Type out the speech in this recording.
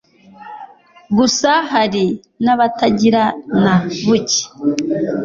gusa hari n'abatagira na bucye